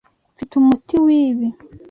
Mfite umuti wibi.